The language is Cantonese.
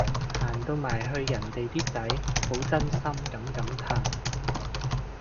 行到埋去人哋啲仔好真心噉感嘆